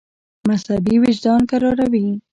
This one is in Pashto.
مذهبي وجدان کراروي.